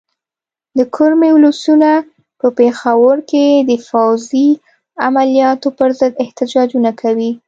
د کرمې ولسونه په پېښور کې د فوځي عملیاتو پر ضد احتجاجونه کوي.